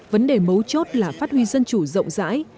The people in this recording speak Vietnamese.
vấn đề mấu chốt là phát huy dân chủ rộng rãi